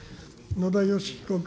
野田佳彦君。